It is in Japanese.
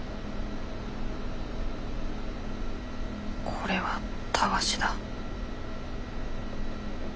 これはたわしだ。